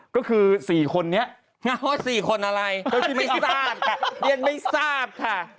ก็คือ๔คนนี้๔คนอะไรไม่ทราบค่ะเดี๋ยวไม่ทราบค่ะ